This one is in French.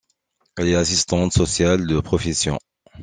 Elle est assistante sociale de profession.